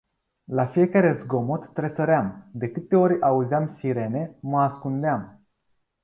La fiecare zgomot tresăream, de câte ori auzeam sirene mă ascundeam.